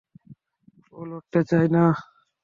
ও লড়তে চায় না।